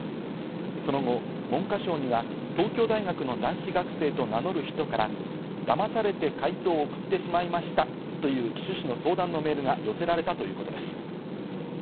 その後、文科省には東京大学の男子学生と名乗る人からだまされて解答を送ってしまいましたという趣旨の相談のメールが寄せられたということです。